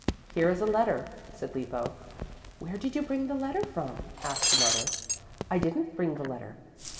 Here is a letter," said Lippo. "Where did you bring the letter from?" asked the mother. "I didn't bring the letter.